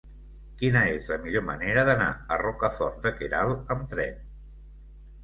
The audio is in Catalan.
Quina és la millor manera d'anar a Rocafort de Queralt amb tren?